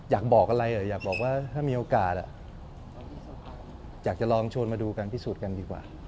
อยากบอกอะไรอยากบอกว่าถ้ามีโอกาสอยากจะลองชวนมาดูการพิสูจน์กันดีกว่า